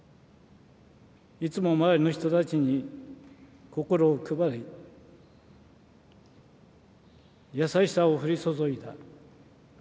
いつも周りの人たちに、心を配り、優しさを降り注いだ。